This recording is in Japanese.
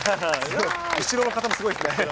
後ろの方もすごいですね。